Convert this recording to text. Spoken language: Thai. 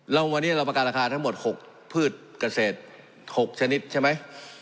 แล้ววันนี้เราประกันราคาทั้งหมด๖พืชเกษตร๖ชนิดใช่ไหม